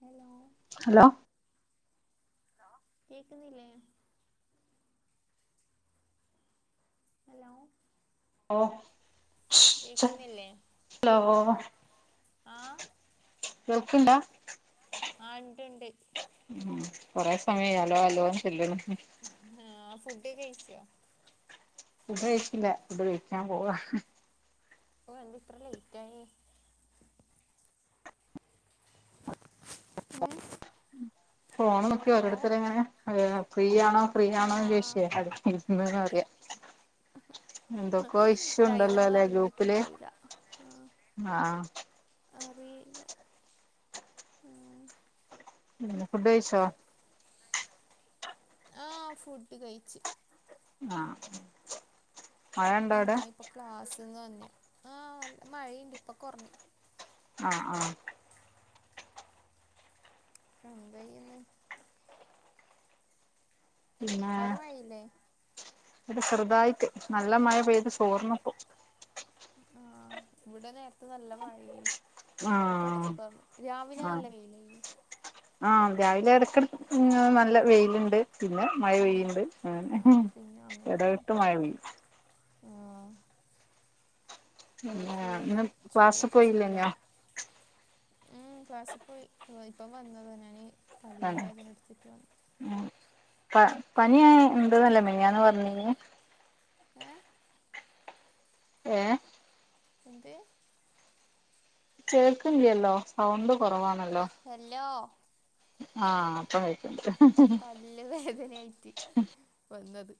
Hello hello കേക്കുന്നില്ലേ hello ഓ കേക്കുന്നില്ലേ ഹലോ ആഹ് കേൾക്കണ്ടാ ആഹ് ഇണ്ട്ണ്ട്‌ ഉം കൊറെ സമയായ്‌ അലോ അലോ എന്ന് ചൊല്ലണ് ആഹ് ഫുഡ് കഴിച്ചോ ഫുഡ് കഴിച്ചില്ല ഫുഡ് കഴിക്കാൻ പോവാ ഓ എന്ത് ഇത്ര ലെയ്റ്റ് ആയെ മം ഉം ഫോൺ നോക്കിയോ ഒഓരിോരുത്തരെ എങ്ങനെ ഫ്രീ ആണോ ഫ്രീ ആ ആണോന്ന് ചോദിച്ചു ഇരിക്കുന്നു എന്ത അറിയാം എന്തൊക്കോ ഇഷ്യൂ ടൈം ഉണ്ടല്ലോ ഒന്നും അല്ലെ ഗ്രൂപ്പില് അറിഞ്ഞിട്ടുണ്ടാവൂല ആഹ അറ ഉ ഫുഡ് കഴിച്ചോ ആഹ ഫുഡ് കഴിച്ചു ആഹ ഞാൻ ഇപ്പൊ ക്ലാസ്ന്ന് വന്നേ ആഹ നല്ല മഴയുണ്ട് ഇപ് കുറഞ്ഞി ആ ആ എന്തായിന്ന് പിന്നെ അവിടെ മഴയില്ലേ ഇത് ശെറുതായിട്ട് നല്ല മഴ പെയ്ത് ചോർന്പ്പോ ആഹ ഇവിടെ നേരത്ത് നല്ല മഴ ഇപ്പൊ ആഹ് കൊറച്ച് പറഞ്ഞു രാവിലെ നല്ല വെയിലായി ആഹ രാവിലെ എട എടക്ക് നല്ല വെയിലുണ്ട് പിന്നെ മഴ ഉം. വെുണ്ട് ആ അങ്ങനെ ഇടയിട്ട് മഴപൈ ആഹ പിന്ന ഫുള്ളും ഇന്ന് ക്ലാസ് പോയില്ലേ ചോർച്ചെല്ലാം ഞോ ഉം ക്ലാസ്സിൽ പോയി ഇപ്പം വന്നത് നാണ്. പള്ള വേദന എടുത്തിട്ട് വന്നു ഉ പനിയ ഉം. ഉന്തതല്ലേ മിനിയാന്ന് പറഞ്ഞനെ ഏ ഏഹ എന്ത് കേൾക്കില്ലല്ലോ സൗണ്ട് കുറവാണല്ലോ ഹല്ലോ ആഹ അപ്പയിക്കണ്ട് പല് വേദനയായിട്ട് വന്നത്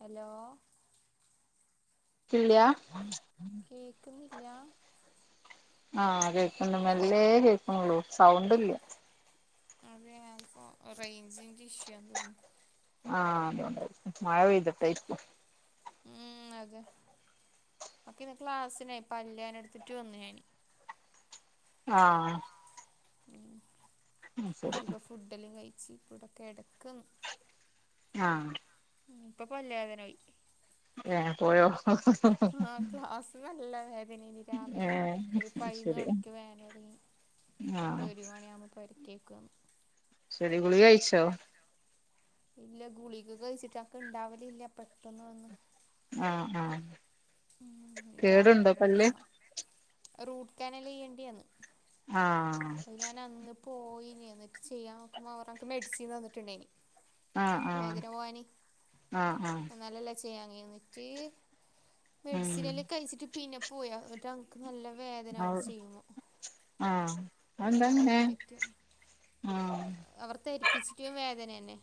ഹലോ ഇള്ളയാ കേക്ക് മില്ല ആഹ കേൾക്കണ്ട് മെല്ലേ കേക്കുന്നുള്ളൂ സൗണ്ടല്ല. അത ഞാനപ്പോ റേഞ്ചിന്റെ ഇഷ്യുന്ന് തോന്നുന്നു. ആഹ് അതുകൊണ്ടായി മഴ പെയ്തിട്ടെ ഇരിക്കും ഉം അതെ ക്കെ ഇന്ന് ക്ലാസിനായിപ്പ പല്ല്‌വേന എടുത്തിട്ട് വന്നു ഞി ആഹ് ഉ നക്ക ശരി ഇപ്പൊ ഫുഡല്ലാം കഴിച്ച കൂടെക്കെ എടക്കന്ന് ആഹ് ഉ ഇപ്പൊ പല്ലതന പോയി. ഏഹ പോയോ നല്ലത അതിനനി രാവിലെ ഏഹ് ഒരു പതിനന്ന് ശരി മണിക്ക് വേൻ തുടങ്ങി നപ്പോൾ ആഹ് ഒരു മണിയാവകുമ്പോൾരക്കും കേൾക്കുകും ചെടി ഗുളിക കയച്ചോ ഇല്ല ഗുളികക്ക് കഴിച്ചിട്ട്ക്ക ഇണ്ടാവല ഇല്ല പെട്ടെന്ന് വന്നന്ന് ആഹ് ആഹ് ഉ കേടുണ്ടോ ഡോക്ടറിന്റെ അടുത്ത പല്ല് പോണണം റൂട്ട് കാനൽ ചെയ്യേണ്ടന്ന് ആഹ് അ ഞാൻ അന്ന് പോയിനി എന്നിട്ട് ചെയ്യാൻ നോക്കുമ്പോ അവക്ക് മെഡിസിൻ തന്നിട്ടുണ്ടേനി ആഹ് ആഹ് വേദന പോവാൻ ആഹ് ആഹ് എന്നാലല്ലേ ചെയ്യങ്ങയിഞ്ഞിട്ട് ഉം മെഡിസിനല്ലാം കഴിച്ചിട്ട് പിന്നെ പോയാ ന്നട്ട് - നല്ല വേദന അവർ അത് ചെയ്യുമ്പോ ആഹ് ഇന്നട് അതെന്താ ഞാൻ അങ്ങനെ വെട്ടിട്ട് ആഹ് അവർ തരിപ്പിച്ചിട്ട വേദനെന്നെ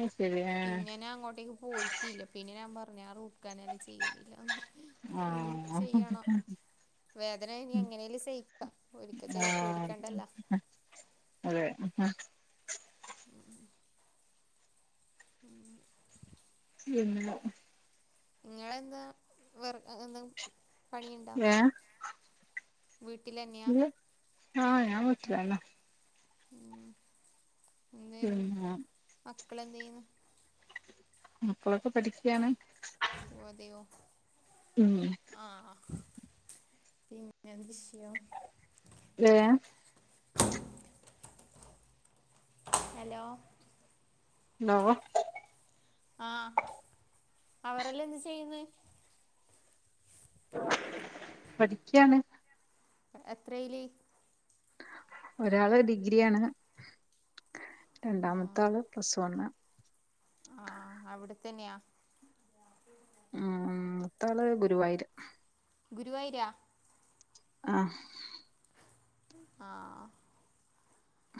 അത് ശരി ഏഹ് പിന്നെ ഞാ അങ്ങോട്ടേക്ക് പോയിട്ടില്ല പിന്നെ ഞാൻ പറഞ്ഞു ആ റൂട്ടക്കാനാല് ചെയ്യുന്നില്ല ഇനി ആഹ് ചെയ്യണം വേദന ഇനി എങ്ങനെലും സയിക്കാം ഒരിക്ക ചെയ്ത ഏഹ അത അതെ [inaudible] [inaudible] ഉം ങ്ങളെന്താ വെർ എന്തേം പണിയുണ്ടാ- ഏഹ് വീട്ടിലേന്ന്യാ ഇല്ല ആഹ് ഞൻ വീട്ടിലാന്നെ ഉ എന്തെയുന്നു പിന്നെ മക്കള് എന്തെയ്യുന്നു മക്കളൊക്കെ പഠിക്കാണ് വോ അതെയോ ഉം ആഹ പിന്നെ ശയം ഏഹ ഹലോ ണ്ടാവോ ആ അവരെല്ലാം എന്ത് ചെയ്യുന്ന് പഠിക്കാണ് എത്രേല് ഒരാള് ഡിഗ്രിയാണ് ആ രണ്ടാമത്തെ ആള് പ്ലസ് വൺ - ആ അവിടെത്തന്ന്യാ ഉം മൂത്താള് ഗുരുവായൂര് ഗുരുവായൂരാ ആഹ ആഹ ആ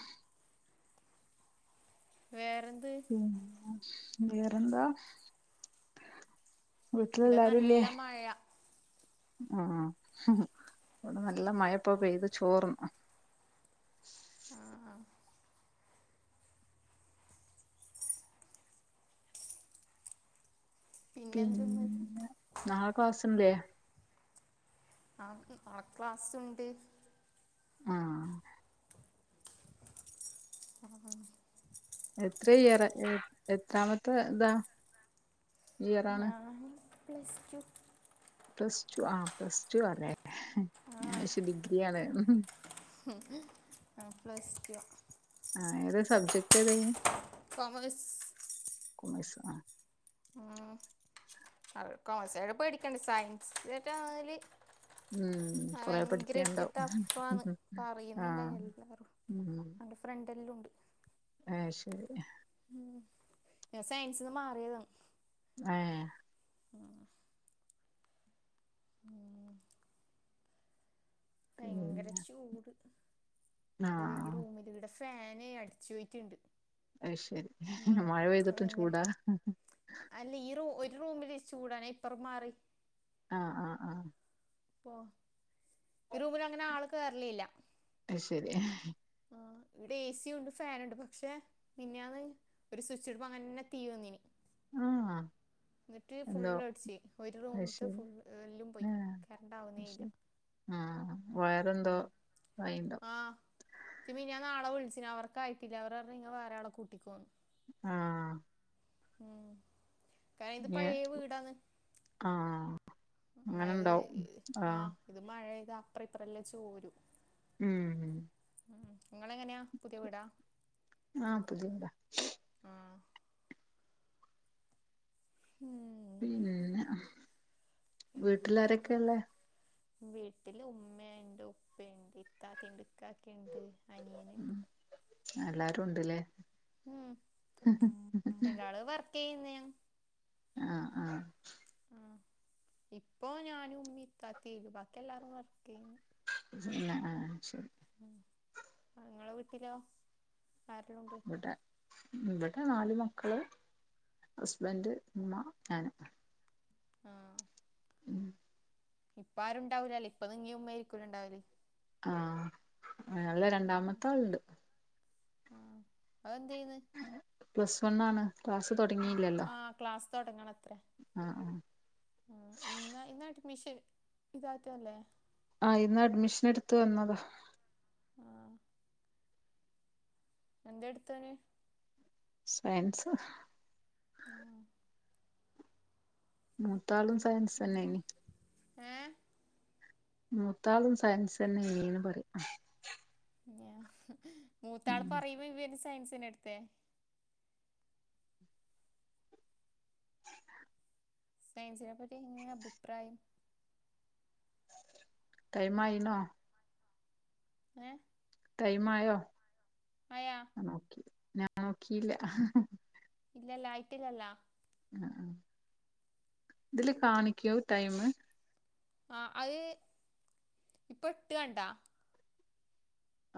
വേറെന്ത് വേറെന്താ ഇവിടെ വീട്ടിലെല്ലാരുല്ലേ നല്ല മഴ ആ ഇവ്ടെ നല്ല മഴപ്പൊ പെയ്ത് ചോർന്ന് - ആഹ ആ പിന്നെന്തെന്ന് പിന്നെ നാളെ ക്ലാസ്സില്ലേ ആ ആ നാളെ ക്ലാസ്സുണ്ട് ആഹ ആ, എത്ര ഇയറാ എത്രാമത്തെ ഇതാ ഇയറാണ് ഞാന് പ്ലസ് ടു പ്ലസ് ടു ആ പ്ലസ് ടു അല്ലേ ഞാ വിചാരിച്ച് ഡിഗ്രിയാന്ന് പ്ലസ്റ്റ് ടുവാ ആ ഏതാ സബ്ജക്ട് ഏതേനി കൊമേഴ്സ് കോമേഴ്‌സാ ഉം അവ കൊമേഴ്സായോട് പേടിക്കണ്ട സയൻസെറ്റ ആണേല് ഉം ആ കൊറെ ഭയങ്കര പഠിക്കാണ്ടാവും ട്ടഫാന്ന് ആഹ് പറയുന്നുണ്ടായി എല്ലാരും അന്റെ ഫ്രണ്ടെല്ലോണ്ട് ആഹ ശരി ഉം ഞാൻ സയൻസിന്ന് മാറിയതാ ഏഹ് ആഹ് ഭയങ്കര പിന്നെ ചൂട് ഒരു ഈ ആഹ് റൂമിലിവിടെ ഫാന് അട്ച്ച് പോയിട്ടുണ്ട് അയ് ശരി മ മഴ പെയ്തിട്ടും ഭയങ്കര ചൂടാ അല്ല ഈ റൂ ഒരു റൂമില് ചൂടാ ഞാ ഇപ്പറം മാറി ആഹ് ആഹ് ആഹ് പ്പോ ഈ റൂമില് അങ്ങനെ ആള് കേറലില്ല അയ്ശരി അഹ് ആഹ് ഇവിടെ എ സിയൂണ്ട് ഫാനൂണ്ട് പക്ഷെ മിഞ്ഞാന്ന് ഒരു സ്വിച്ച് ഇടുമ്പോ അങ്ങനെ തീ വന്നിനി ആഹ് ന്നട്ട് എന്തോ ഫുള്അടിച്ച് ഒരു അത് റൂമ്ത്തെ ശരി ഫുള് എല്ലും പോയി ആഹ് കറണ്ട് ആവുന്നേ അത് ഇല്ല ശരി ആഹ് വയറെന്തോ ഉം ഇതായിണ്ടാവും ച്ച് മിഞ്ഞാന്ന് ആളെ വിളിച്ചിനി അവർക്കായിട്ടില്ല അവർ പറഞ്ഞു നിങ്ങ വേറാളെ കൂട്ടിക്കോന്ന് ആഹ് ഉം കാരണം ഇത് ഇനി പഴയ വീടാന്ന് ആഹ് മയ്ത് ആഹ് ഇത് മഴ പെയ്താ അപ്രേ ഇപ്ര എല്ലാം ചോരും ഉം ഉം ഇങ്ങളങ്ങനെയാ പുതിയ വീടാ ആഹ് പുതിയ വീടാ ആഹ് ഉം പിന്നെ വീട്ടിലാരൊക്കെയ്ള്ളേ? വീട്ടിൽ ഉമ്മയുണ്ട് ഉപ്പയുണ്ട് ഇത്താത്തിണ്ട് ക്കാക്കെ ഇണ്ട് അനിയന്ണ്ട് എല്ലാരുംണ്ട്ല്ലേ ഉം രണ്ടാള് വർക്ക് ചെയ്യുന്നയാ ആഹ് ആഹ് ഉം ഇപ്പൊ ഞാനും ഉമ്മീം ഇത്താതേം ഒള്ളൂ ബാക്കി എല്ലാവാരും വർക്ക് ചെയ്യന്ന് ന്ന ആഹ് ശരി ഉം ഇങ്ങളെ വീട്ടിലോ ആരെല്ലാം ഉണ്ട് ഇവിടെ ഇവിടെ നാല് മക്കള് ഹസ്ബൻഡ് ഉമ്മ ഞാന് ആഹ് ഉം ഇപ്പ ആരുണ്ടാവൂലല്ലേ ഇപ്പൊ നിങ്ങീം ഉമ്മ ആയിരിക്കോലോ ഇണ്ടാവല് ആഹ് അല്ല ആഹ് രണ്ടാമത്തെ ആളുണ്ട് ആഹ് അതെന്തയ്യുന്ന് പ്ലസ് വൺ ആണ് ക്ലാസ്സ്‌ തൊട ആഹ് ആഹ് ക്ലാസ്സ് തൊടങ്ങണത്രേ ആഹ് ആഹ് ഉം ഇന്ന് ഇന്നഡ്മിഷൻ ഇതാറ്റല്ലേ ആഹ് ഇന്ന് അഡ്മിഷൻ ഇട്ത്ത് വന്നതാ ആഹ് എന്തേ ഇട്ത്തോന് സയൻസാ ആഹ് മൂത്താളും സയൻസ്സന്നേയ്ന്ന്. ഏഹ് മൂത്താളും സയൻസ് തന്നെ അയിന് ന്ന് പറ്യാ മൂത്താള് ഉം പറയുമ്പോ ഇവൻ സയൻസ് തന്നേ എടുത്തേ സയൻസിനെപ്പറ്റി എന്താ അഭിപ്രായം ടൈം ആയിനൊ ഏ ടൈം ആയോ ആയ നോക്കി ഞാൻ നോക്കില്ല ഇല്ലല്ലാ ആയിട്ടിലല്ല ഇതില് കാണിക്കോ ടൈമ് ആഹ് ഇപ്പ എട്ട് കണ്ടാ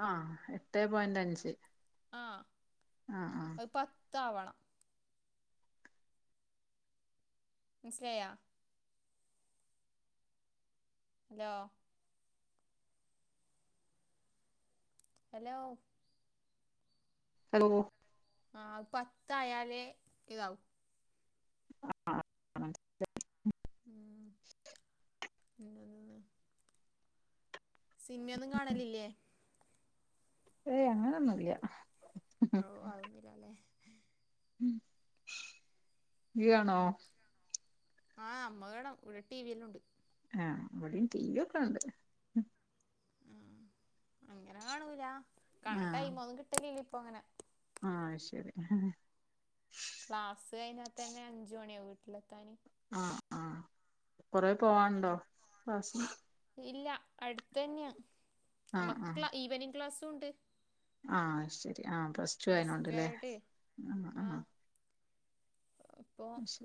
ആ എട്ടേ പോയിന്റ് അഞ്ച് ആഹ്. ആഹ്, ആഹ് ഹ് പത്താവണം. മൻസിലായാ ഹലോ? ഹലോ. ഹലോ? ആഹ് അഅ് പത്തായാലേ ഇതാവും. ആ ആ [unintelligible] ഉം [unintelligible] സിൻമയൊന്നും കാണലില്ല്യേ? ഏയ് അങ്ങനൊന്നുല്ല്യ. ഔ, അതൊന്നുല്ല്യ ല്ലേ ഉം. യികാണോ? ഉം ആഹ്, അമ്മകാണും. ഇവിടെ ടി വി എല്ലുണ്ട്. ആഹ്, ഇവടിം ടിവി ഒക്കെണ്ട്. അങ്ങനെ കാണൂലാ. കാണാ ടൈ ആഹ് മൊന്നും കിട്ടലില്ല പ്പൊഅങ്ങനെ. ആഹ്, അഅ് ശെരി. ക്ലാസ് കയിഞ്ഞാതെന്നെ അഞ്ചു മണിയാവും വീട്ട്‌ലെത്താന്. ആഹ് ആഹ്, കൊറേ പോവാൻണ്ടോ ക്ലാസ്സ്ന്. ഇല്ല്യ. അട്ത്തെന്ന്യാ. ആഹ് ആഹ് അമ്മക്ക്ള്ള ഈവനിങ്ങ് ക്ലാസ്സുണ്ട്. ആഹ് ശെരി, ആഹ് പ്രശ് പ്ലസ് ടു [unintelligible] ആഹ്, പ്പൊ ശരി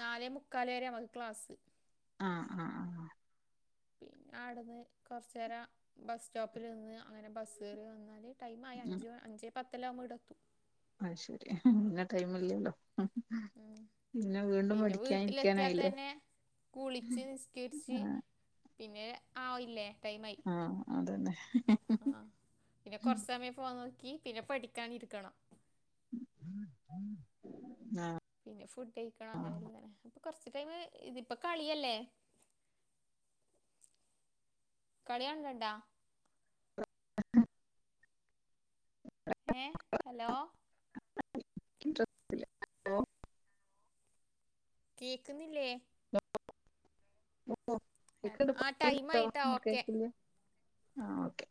നാലേ മുക്കാലെരെ മക്ക് ക്ലാസ്സ്. ആഹ്, ആഹ്, ആഹ് പിന്നെ ആട്ന്ന് കൊർച്ചേരം ബസ്റ്റോപ്പില്ന്ന് അങ്ങനെ ബസ്സേറി വന്നാല് ടൈമായ അഞ്ച് അഞ്ചേപത്തെല്ലാവ്മ്പോ വ്ടെത്തു അയ്ശെരി, പിന്നെ ടൈമില്ല്യല്ലോ. ഉം, പിന്നെ പഠിക്കാനിരിക്കാനായില്ലേ വീട്ടിലെത്ത്യാതന്നെ കുളിച്ച് നിസ്കേര്ച്ച് ആഹ് പിന്നെ ആയില്ലേ. ടൈമായി. ആഹ് അതന്നെ ആഹ്, പിന്നെ കൊർച്ച്സമയ ഫോൺ നോക്കി പിന്നെ പഠിക്കാനിരിക്കണം. ആഹ്. പിന്നെ ഫുഡെയ്ക്കണം, അങ്ങനെങ്ങനെ പ്പൊ കൊർച്ച് ടൈമ് ഇതിപ്പൊ കളിയെല്ലേ. അം [unintelligible] [inaudible] കളി കാണ്ല്ണ്ടാ? [unintelligible] ഏഹ്. ഹലോ? [unintelligible] ട്രിപ്പില് ഹലോ കേക്ക്ന്നില്ല്യേ? ഓഹ്, കേക്ക്ണ്ട് ആഹ് ടൈം ആയിട്ടാ ഓക്കെ [unintelligible] ആഹ്, ഓക്കെ.